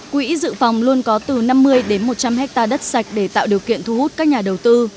quỹ dự phòng luôn có từ năm mươi đến một trăm linh hectare đất sạch để tạo điều kiện thu hút các nhà đầu tư